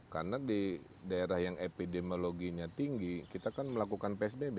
karena di daerah yang epidemiologinya tinggi kita kan melakukan psbb